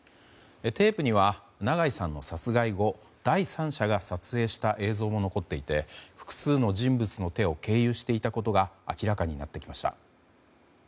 テープには、長井さんの殺害後第三者が撮影した映像も残っていて、複数の人物の手を経由していたことが明らかになってきました。